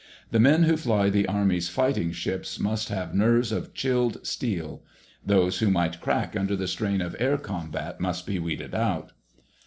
The men who fly the Army's fighting ships must have nerves of chilled steel. Those who might crack under the strain of air combat must be weeded out.